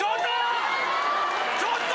ちょっと！